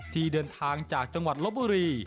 ที่เดินทางจากจังหวัดลบบุรี